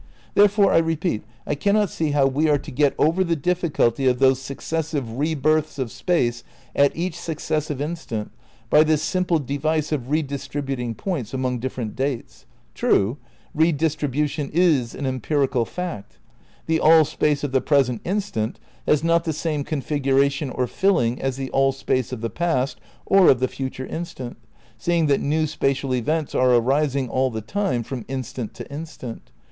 Therefore, I repeat, I cannot see how we are to get over the difficulty of those successive re births of Space at each successive instant by this simple device of redistributing points among different dates. True, redistribution is an empirical fact. The all Space of the present instant has not the same configuration or filling as the all Space of the past or of the future instant, seeing that new spatial events are arising all the time from instant to instant.